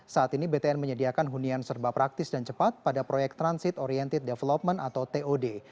saat ini btn menyediakan hunian serba praktis dan cepat pada proyek transit oriented development atau tod